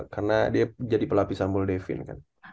karena dia jadi pelapis sambol devin kan